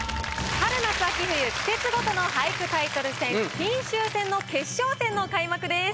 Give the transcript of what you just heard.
春夏秋冬季節ごとの俳句タイトル戦金秋戦の決勝戦の開幕です。